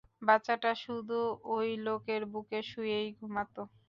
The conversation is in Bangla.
বাচ্চাটা শুধু ওই লোকের বুকে শুয়েই ঘুমাত।